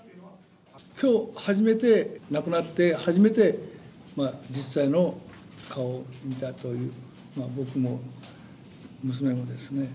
きょう初めて、亡くなって初めて、実際の顔を見たという、僕も娘もですね。